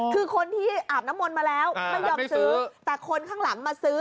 คือคนที่อาบน้ำมนต์มาแล้วไม่ยอมซื้อแต่คนข้างหลังมาซื้อ